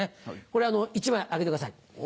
これ１枚あげてください。